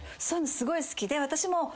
そういうのすごい好きで私も。